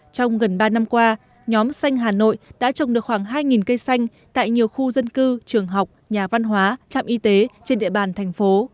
trong gần ba năm qua nhóm xanh hà nội đã trồng được khoảng hai cây xanh tại nhiều khu dân cư trường học nhà văn hóa trạm y tế trên địa bàn thành phố